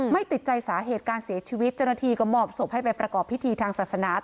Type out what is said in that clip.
ไม่ติดใจสาเหตุการเสียชีวิตเจ้าหน้าที่ก็มอบศพให้ไปประกอบพิธีทางศาสนา